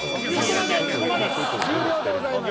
終了でございます。